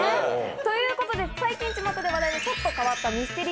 ということで最近ちまたで話題のちょっと変わった。